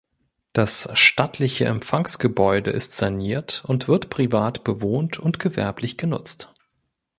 Das stattliche Empfangsgebäude ist saniert und wird privat bewohnt und gewerblich genutzt.